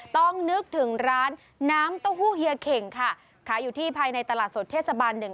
ต้องนึกถึงร้านน้ำเต้าหู้เฮียเข่งค่ะขายอยู่ที่ภายในตลาดสดเทศบาลหนึ่ง